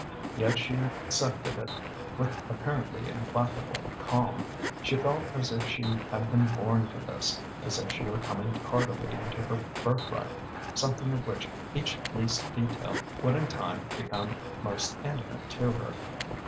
Yet she accepted it with apparently implacable calm. She felt as if she had been born to this, as if she were coming tardily into her birthright something of which each least detail would in time become most intimate to her.